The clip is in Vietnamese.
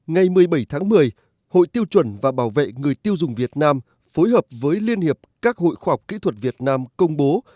ngày một mươi bảy tháng một mươi hội tiêu chuẩn và bảo vệ người tiêu dùng việt nam phối hợp với liên hiệp các hội khoa học kỹ thuật việt nam công bố